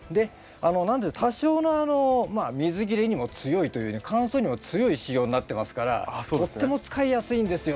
なので多少の水切れにも強いというね乾燥にも強い仕様になってますからとっても使いやすいんですよ。